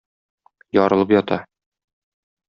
Ярылып ята.